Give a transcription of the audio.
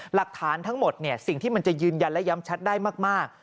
หลักฐานทั้งหมดสิ่งที่มันจะยืนยันและย้ำชัดได้มาก